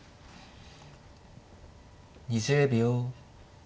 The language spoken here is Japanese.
２０秒。